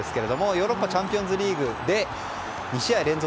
ヨーロッパチャンピオンズリーグで２試合連続